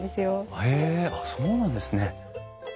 へえあっそうなんですね。